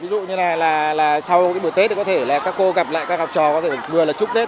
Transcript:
ví dụ như là sau bữa tết thì có thể là các cô gặp lại các học trò có thể vừa là chúc tết